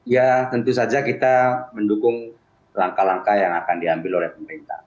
ya tentu saja kita mendukung langkah langkah yang akan diambil oleh pemerintah